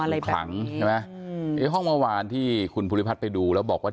อะไรแบบนี้ใช่ไหมอืมไอ้ห้องเมื่อวานที่คุณภูริพัฒน์ไปดูแล้วบอกว่า